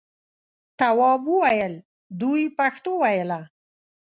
تواب وویل دوی پښتو ویله.